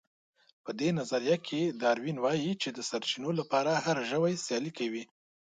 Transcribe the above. په دې نظريه کې داروېن وايي چې د سرچينو لپاره هر ژوی سيالي کوي.